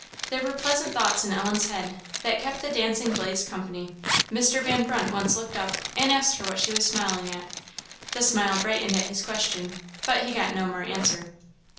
There were pleasant thoughts in Ellen's head, that kept the dancing blaze company. Mr. Van Brunt once looked up, and asked her what she was smiling at; the smile brightened at his question, but he got no more answer.